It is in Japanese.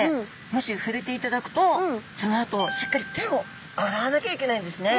もしふれていただくとそのあとしっかり手を洗わなきゃいけないんですね。